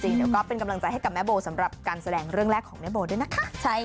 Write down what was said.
เดี๋ยวก็เป็นกำลังใจให้กับแม่โบสำหรับการแสดงเรื่องแรกของแม่โบด้วยนะคะ